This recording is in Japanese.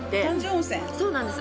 そうなんです